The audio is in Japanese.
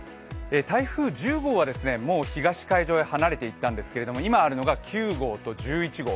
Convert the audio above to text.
台風１０号はもう東海上へ離れていったんですが今あるのが９号と１１号。